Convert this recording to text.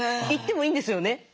行ってもいいんですよね？